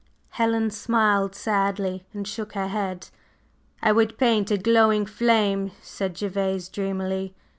Helen smiled sadly and shook her head. "I would paint a glowing flame," said Gervase dreamily.